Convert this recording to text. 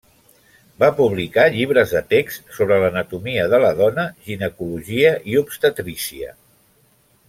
Va publicar llibres de text sobre l'anatomia de la dona, ginecologia i obstetrícia.